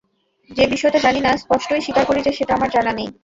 যে বিষয়টা জানি না, স্পষ্টই স্বীকার করি যে, সেটা আমার জানা নেই।